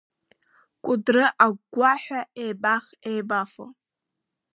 Кәыдры агәгәаҳәа, еибах-еибафо…